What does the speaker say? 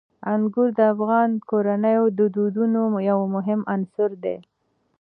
انګور د افغان کورنیو د دودونو یو مهم عنصر دی.